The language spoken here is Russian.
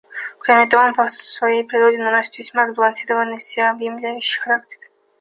Кроме того, он по своей природе носит весьма сбалансированный и всеобъемлющий характер.